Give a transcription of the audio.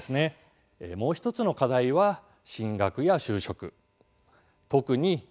もう１つの課題は進学や就職。